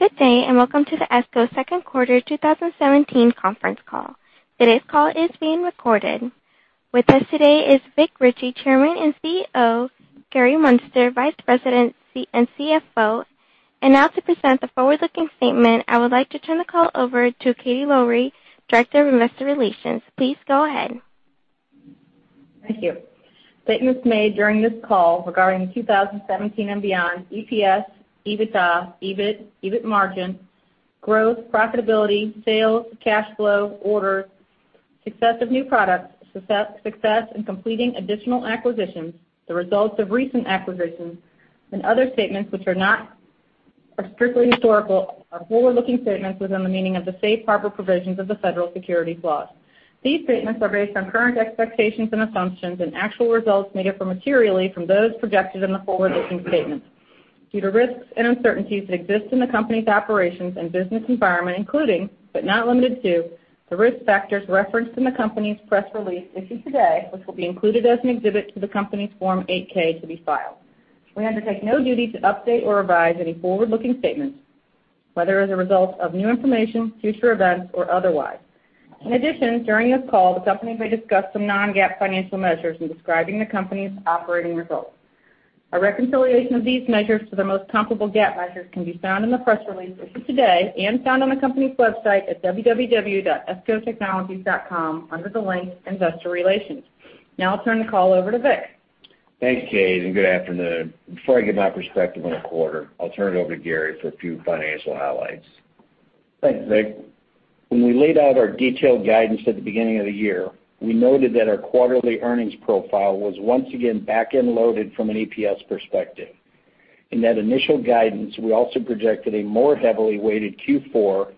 Good day, and welcome to the ESCO second quarter 2017 conference call. Today's call is being recorded. With us today is Vic Richey, Chairman and CEO, Gary Muenster, Vice President and CFO. Now to present the forward-looking statement, I would like to turn the call over to Kate Lowrey, Director of Investor Relations. Please go ahead. Thank you. Statements made during this call regarding 2017 and beyond EPS, EBITDA, EBIT, EBIT margin, growth, profitability, sales, cash flow, orders, success of new products, success in completing additional acquisitions, the results of recent acquisitions, and other statements which are not, are strictly historical or forward-looking statements within the meaning of the safe harbor provisions of the Federal Securities Laws. These statements are based on current expectations and assumptions, and actual results may differ materially from those projected in the forward-looking statements due to risks and uncertainties that exist in the company's operations and business environment, including, but not limited to, the risk factors referenced in the company's press release issued today, which will be included as an exhibit to the company's Form 8-K to be filed. We undertake no duty to update or revise any forward-looking statements, whether as a result of new information, future events, or otherwise. In addition, during this call, the company may discuss some non-GAAP financial measures in describing the company's operating results. A reconciliation of these measures to the most comparable GAAP measures can be found in the press release issued today and found on the company's website at www.escotechnologies.com under the link Investor Relations. Now I'll turn the call over to Vic. Thanks, Kate, and good afternoon. Before I give my perspective on the quarter, I'll turn it over to Gary for a few financial highlights. Thanks, Vic. When we laid out our detailed guidance at the beginning of the year, we noted that our quarterly earnings profile was once again back-end loaded from an EPS perspective. In that initial guidance, we also projected a more heavily weighted Q4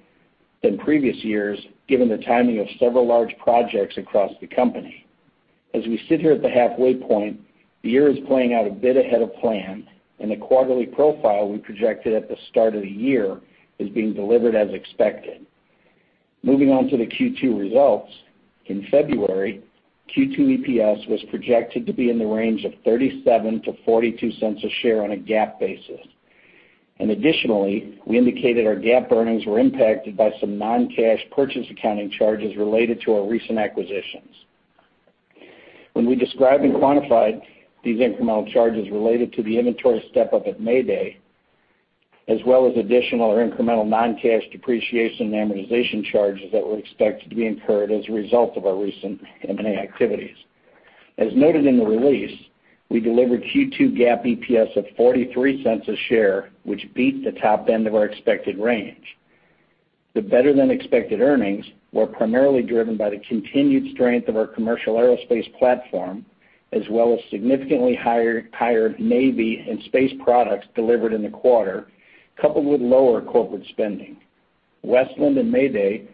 than previous years, given the timing of several large projects across the company. As we sit here at the halfway point, the year is playing out a bit ahead of plan, and the quarterly profile we projected at the start of the year is being delivered as expected. Moving on to the Q2 results, in February, Q2 EPS was projected to be in the range of $0.37-$0.42 a share on a GAAP basis. Additionally, we indicated our GAAP earnings were impacted by some non-cash purchase accounting charges related to our recent acquisitions. When we described and quantified these incremental charges related to the inventory step-up at Mayday, as well as additional or incremental non-cash depreciation and amortization charges that were expected to be incurred as a result of our recent M&A activities. As noted in the release, we delivered Q2 GAAP EPS of $0.43, which beat the top end of our expected range. The better-than-expected earnings were primarily driven by the continued strength of our commercial aerospace platform, as well as significantly higher, higher Navy and space products delivered in the quarter, coupled with lower corporate spending. Westland and Mayday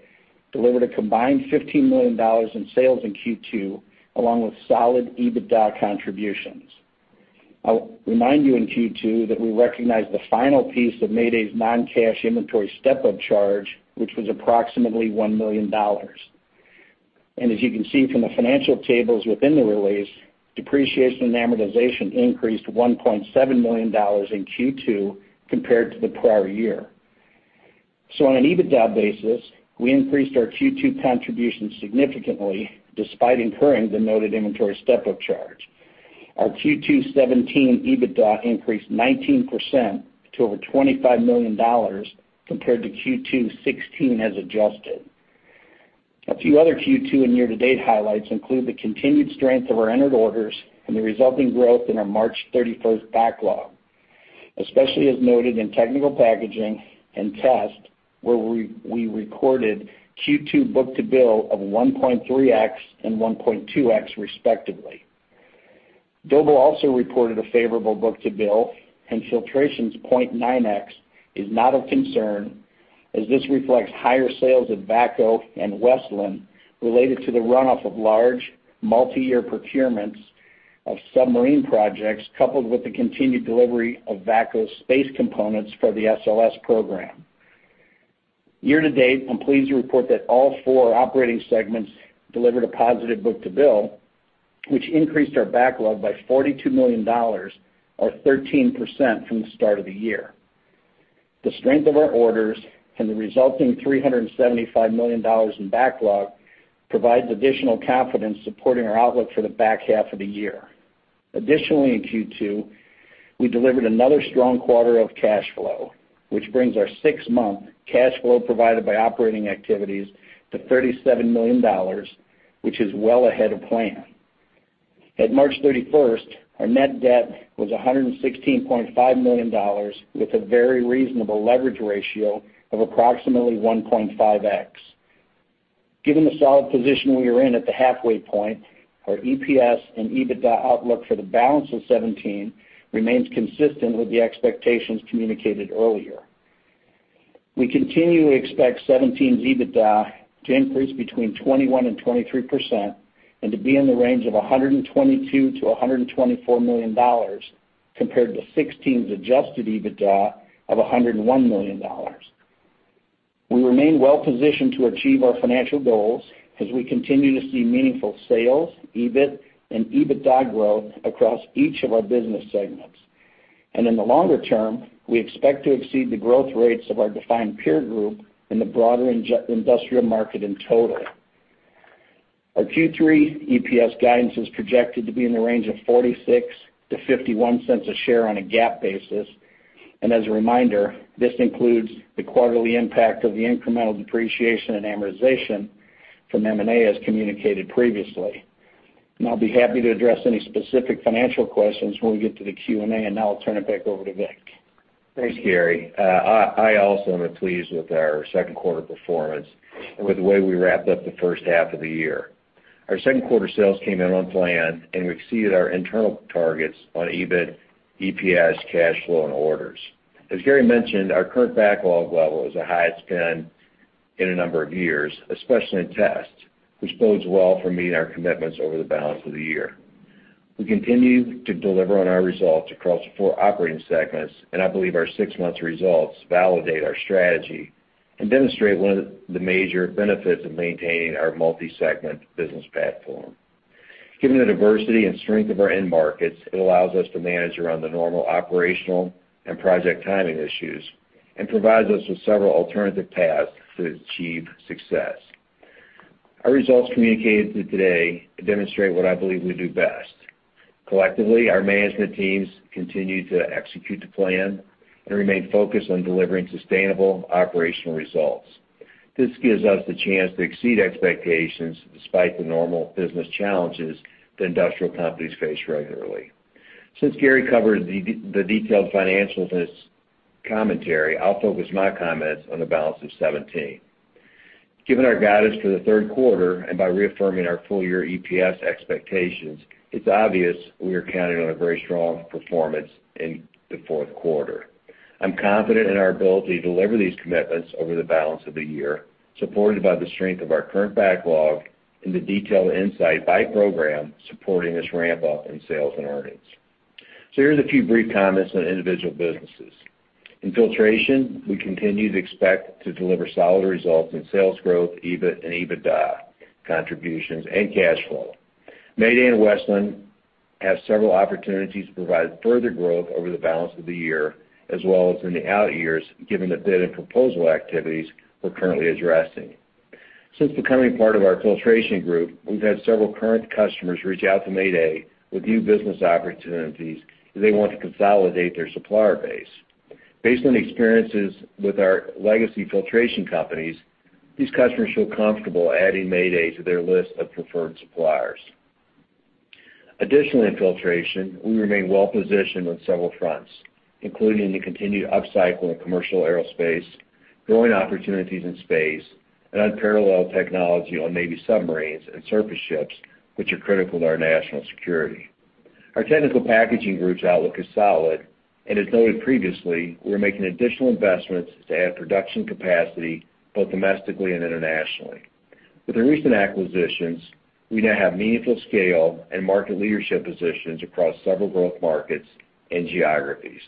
delivered a combined $15 million in sales in Q2, along with solid EBITDA contributions. I'll remind you in Q2 that we recognized the final piece of Mayday's non-cash inventory step-up charge, which was approximately $1 million. And as you can see from the financial tables within the release, depreciation and amortization increased $1.7 million in Q2 compared to the prior year. So on an EBITDA basis, we increased our Q2 contribution significantly, despite incurring the noted inventory step-up charge. Our Q2 2017 EBITDA increased 19% to over $25 million compared to Q2 2016 as adjusted. A few other Q2 and year-to-date highlights include the continued strength of our entered orders and the resulting growth in our March 31 backlog, especially as noted in Technical Packaging and Test, where we recorded Q2 book-to-bill of 1.3x and 1.2x, respectively. Doble also reported a favorable book-to-bill, and Filtration's 0.9x is not of concern as this reflects higher sales at VACCO and Westland related to the runoff of large, multiyear procurements of submarine projects, coupled with the continued delivery of VACCO's space components for the SLS program. Year to date, I'm pleased to report that all four operating segments delivered a positive book-to-bill, which increased our backlog by $42 million, or 13% from the start of the year. The strength of our orders and the resulting $375 million in backlog provides additional confidence supporting our outlook for the back half of the year. Additionally, in Q2, we delivered another strong quarter of cash flow, which brings our six-month cash flow provided by operating activities to $37 million, which is well ahead of plan. At March 31st, our net debt was $116.5 million, with a very reasonable leverage ratio of approximately 1.5x. Given the solid position we are in at the halfway point, our EPS and EBITDA outlook for the balance of 2017 remains consistent with the expectations communicated earlier. We continue to expect 2017's EBITDA to increase between 21% and 23% and to be in the range of $122 million-$124 million, compared to 2016's adjusted EBITDA of $101 million.... We remain well positioned to achieve our financial goals as we continue to see meaningful sales, EBIT, and EBITDA growth across each of our business segments. In the longer term, we expect to exceed the growth rates of our defined peer group in the broader industrial market in total. Our Q3 EPS guidance is projected to be in the range of $0.46-$0.51 a share on a GAAP basis, and as a reminder, this includes the quarterly impact of the incremental depreciation and amortization from M&A, as communicated previously. Now I'll turn it back over to Vic. Thanks, Gary. I also am pleased with our second quarter performance and with the way we wrapped up the first half of the year. Our second quarter sales came in on plan, and we exceeded our internal targets on EBIT, EPS, cash flow, and orders. As Gary mentioned, our current backlog level is the highest it's been in a number of years, especially in Test, which bodes well for meeting our commitments over the balance of the year. We continue to deliver on our results across the four operating segments, and I believe our six months results validate our strategy and demonstrate one of the major benefits of maintaining our multi-segment business platform. Given the diversity and strength of our end markets, it allows us to manage around the normal operational and project timing issues and provides us with several alternative paths to achieve success. Our results communicated through today demonstrate what I believe we do best. Collectively, our management teams continue to execute the plan and remain focused on delivering sustainable operational results. This gives us the chance to exceed expectations despite the normal business challenges that industrial companies face regularly. Since Gary covered the detailed financial analysis commentary, I'll focus my comments on the balance of 2017. Given our guidance for the third quarter, and by reaffirming our full-year EPS expectations, it's obvious we are counting on a very strong performance in the fourth quarter. I'm confident in our ability to deliver these commitments over the balance of the year, supported by the strength of our current backlog and the detailed insight by program supporting this ramp up in sales and earnings. So here's a few brief comments on individual businesses. In Filtration, we continue to expect to deliver solid results in sales growth, EBIT, and EBITDA contributions and cash flow. Mayday and Westland have several opportunities to provide further growth over the balance of the year, as well as in the out years, given the bid and proposal activities we're currently addressing. Since becoming part of our Filtration group, we've had several current customers reach out to Mayday with new business opportunities, as they want to consolidate their supplier base. Based on experiences with our legacy filtration companies, these customers feel comfortable adding Mayday to their list of preferred suppliers. Additionally, in Filtration, we remain well positioned on several fronts, including the continued upcycle in commercial aerospace, growing opportunities in space, and unparalleled technology on Navy submarines and surface ships, which are critical to our national security. Our Technical Packaging group's outlook is solid, and as noted previously, we're making additional investments to add production capacity both domestically and internationally. With the recent acquisitions, we now have meaningful scale and market leadership positions across several growth markets and geographies,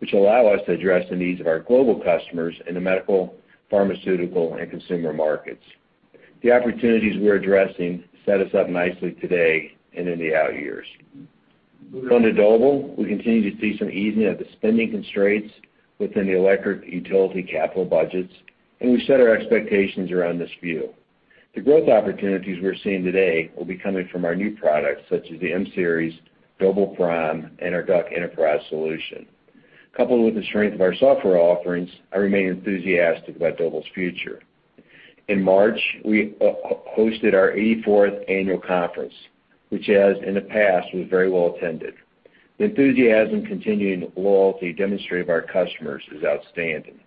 which allow us to address the needs of our global customers in the medical, pharmaceutical, and consumer markets. The opportunities we're addressing set us up nicely today and in the out years. On to Doble. We continue to see some easing of the spending constraints within the electric utility capital budgets, and we've set our expectations around this view. The growth opportunities we're seeing today will be coming from our new products, such as the M-Series, doblePRIME, and our DUC Enterprise solution. Coupled with the strength of our software offerings, I remain enthusiastic about Doble's future. In March, we hosted our eighty-fourth annual conference, which as in the past, was very well attended. The enthusiasm, continuing loyalty demonstrated by our customers is outstanding.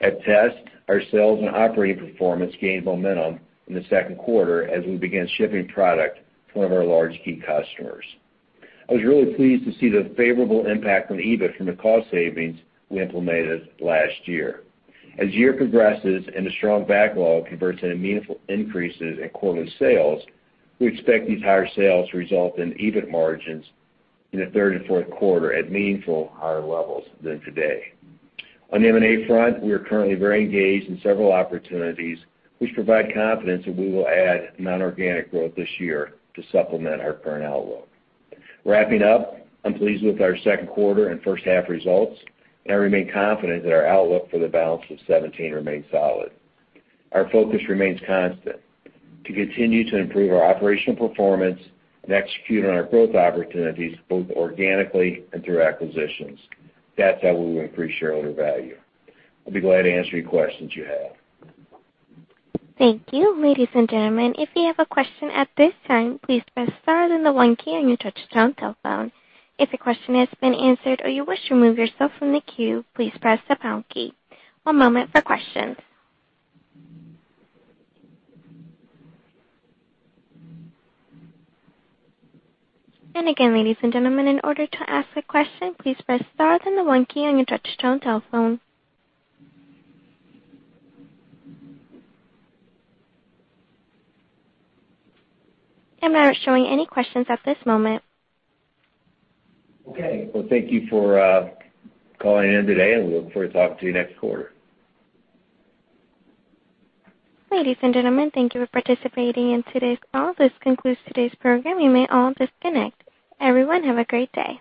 At Test, our sales and operating performance gained momentum in the second quarter as we began shipping product to one of our large key customers. I was really pleased to see the favorable impact on the EBIT from the cost savings we implemented last year. As the year progresses and the strong backlog converts into meaningful increases in quarterly sales, we expect these higher sales to result in EBIT margins in the third and fourth quarter at meaningful higher levels than today. On the M&A front, we are currently very engaged in several opportunities, which provide confidence that we will add non-organic growth this year to supplement our current outlook. Wrapping up, I'm pleased with our second quarter and first half results, and I remain confident that our outlook for the balance of 2017 remains solid. Our focus remains constant, to continue to improve our operational performance and execute on our growth opportunities, both organically and through acquisitions. That's how we will increase shareholder value. I'll be glad to answer any questions you have. Thank you. Ladies and gentlemen, if you have a question at this time, please press star then the one key on your touchtone telephone. If your question has been answered or you wish to remove yourself from the queue, please press the pound key. One moment for questions. And again, ladies and gentlemen, in order to ask a question, please press star then the one key on your touchtone telephone. I'm not showing any questions at this moment. Okay, well, thank you for calling in today, and we look forward to talking to you next quarter. Ladies and gentlemen, thank you for participating in today's call. This concludes today's program. You may all disconnect. Everyone, have a great day.